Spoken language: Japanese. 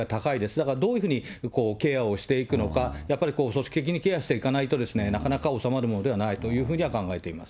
だからどういうふうに、ケアをしていくのか、やっぱり組織的にケアしていかないと、なかなか治まるものではないというふうに考えています。